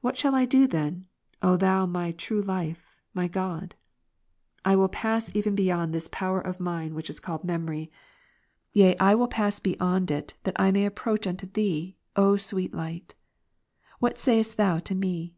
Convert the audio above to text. What shall I do then, O Thou my true life, my God ? I will pass even beyond this power of mine which is called memory : The same things out of ike memory and in it. 197 yea, I will pass beyond it, that I may approach unto Thee, O sweet Light. What sayest Thou to me